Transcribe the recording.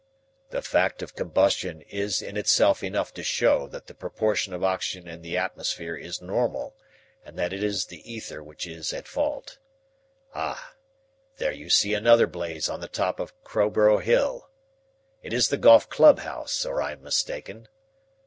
The fact of combustion is in itself enough to show that the proportion of oxygen in the atmosphere is normal and that it is the ether which is at fault. Ah, there you see another blaze on the top of Crowborough Hill. It is the golf clubhouse, or I am mistaken.